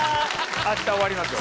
明日終わりますよ。